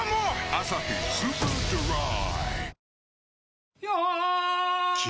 「アサヒスーパードライ」